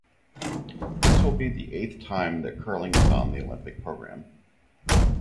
This will be the eighth time that curling is on the Olympic program.